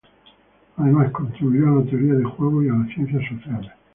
Además, contribuyó a la teoría de juegos y a las ciencias sociales.